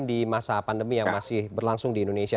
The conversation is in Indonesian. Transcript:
di masa pandemi yang masih berlangsung di indonesia